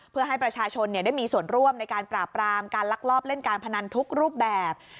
เพื่อให้ประชาชนได้มีส่วนร่วมในการปราบรามการลักลอบเล่นการพนันทุกรูปแบบ